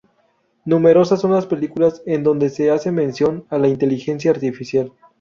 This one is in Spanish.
Numerosas son las películas en donde se hace mención a la inteligencia artificial.